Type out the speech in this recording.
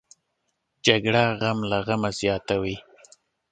جګړه غم له غمه زیاتوي